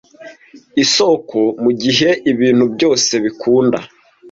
isoko mugihe ibintu byose bikunda